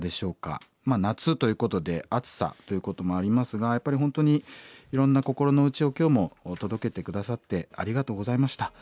夏ということで暑さということもありますがやっぱり本当にいろんな心の内を今日も届けて下さってありがとうございました。